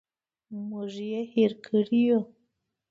موږ یې هېر کړي یوو.